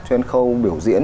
cho đến khâu biểu diễn